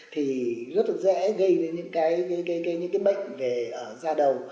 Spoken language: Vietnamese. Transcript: thì rất dễ gây đến những bệnh về da đầu